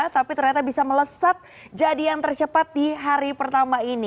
tapi ternyata bisa melesat jadi yang tercepat di hari pertama ini